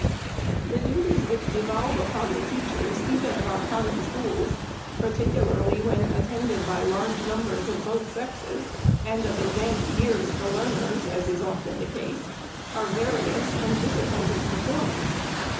The duties which devolve upon the teachers even of our Common Schools, particularly when attended by large numbers of both sexes, and of advanced years for learn ers (as is often the case), are various, and difficult of per formance.